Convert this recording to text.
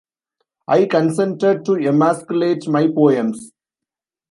I consented to emasculate my poems.